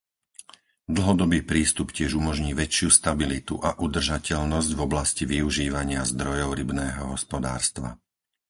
Dlhodobý prístup tiež umožní väčšiu stabilitu a udržateľnosť v oblasti využívania zdrojov rybného hospodárstva.